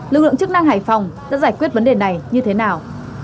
lực lượng chức năng hải phòng đã giải quyết vấn đề này như thế nào